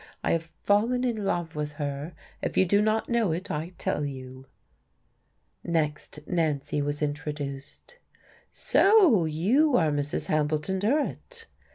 I have fallen in love with her. If you do not know it, I tell you." Next, Nancy was introduced. "So you are Mrs. Hambleton Durrett?"